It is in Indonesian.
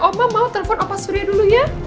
oma mau telepon apa surya dulu ya